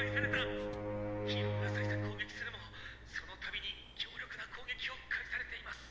ヒーローが再三攻撃するもその度に強力な攻撃を返されています」。